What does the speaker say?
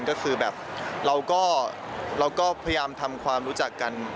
ก็คือแบบเราก็พยายามทำความรู้จักกัน